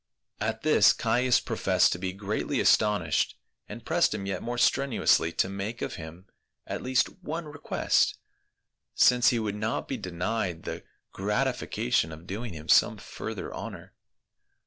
At this Caius professed to be greatly astonished, and pressed him yet more strenuously to make of him at least one request, since he would not be denied the gratification of doing him some further honor.